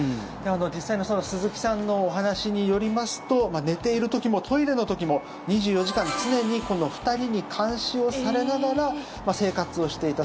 実際の鈴木さんのお話によりますと寝ている時もトイレの時も２４時間常にこの２人に監視をされながら生活をしていた。